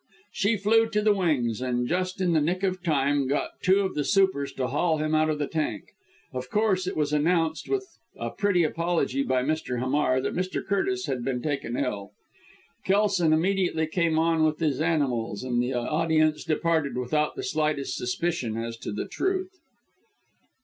She flew to the wings, and, just in the nick of time, got two of the supers to haul him out of the tank. Of course, it was announced with a pretty apology by Mr. Hamar, that Mr. Curtis had been taken ill. Kelson immediately came on with his animals, and the audience departed without the slightest suspicion as to the truth.